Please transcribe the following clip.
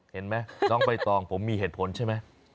เห็นไหมน้องใบตองผมมีเหตุผลใช่ไหม